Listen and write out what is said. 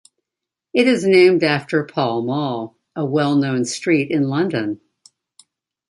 It is named after Pall Mall, a well-known street in London.